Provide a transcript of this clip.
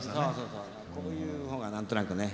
こういう方が何となくね